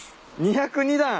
２０２段。